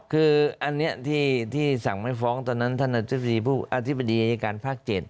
คืออันนี้ที่สั่งไม่ฟ้องตอนนั้นท่านอธิบดีอายการภาค๗